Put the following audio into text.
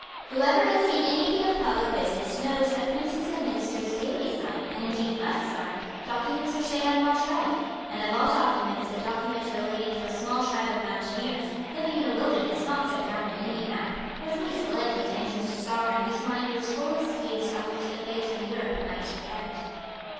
Whoever has seen anything of public business knows that princes and ministers daily sign, and indeed must sign, documents which they have not read; and of all documents a document relating to a small tribe of mountaineers, living in a wilderness not set down in any map, was least likely to interest a Sovereign whose mind was full of schemes on which the fate of Europe might depend.